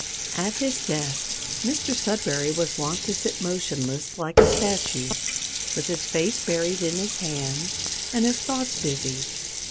At his desk Mr Sudberry was wont to sit motionless like a statue, with his face buried in his hands and his thoughts busy.